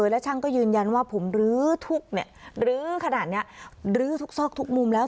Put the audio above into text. แล้วช่างก็ยืนยันว่าผมรื้อทุกข์ลื้อขนาดนี้ลื้อทุกซอกทุกมุมแล้ว